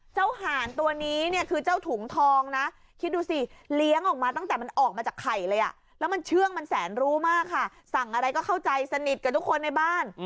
หานตัวนี้เนี่ยคือเจ้าถุงทองนะคิดดูสิเลี้ยงออกมาตั้งแต่มันออกมาจากไข่เลยอ่ะแล้วมันเชื่องมันแสนรู้มากค่ะสั่งอะไรก็เข้าใจสนิทกับทุกคนในบ้าน